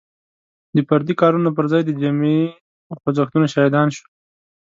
د فردي کارونو پر ځای د جمعي خوځښتونو شاهدان شو.